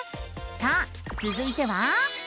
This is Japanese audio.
さあつづいては。